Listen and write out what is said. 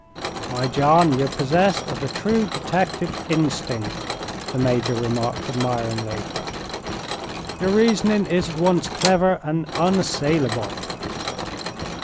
"Why, John, ye're possessed of the true detective instinct," the Major remarked, admiringly. "Your reasoning is at once clever and unassailable."